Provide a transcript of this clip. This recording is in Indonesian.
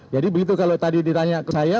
jadi begitu kalau tadi ditanya ke saya